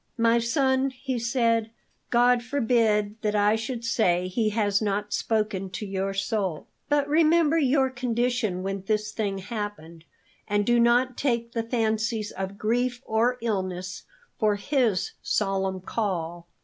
"My son," he said, "God forbid that I should say He has not spoken to your soul. But remember your condition when this thing happened, and do not take the fancies of grief or illness for His solemn call.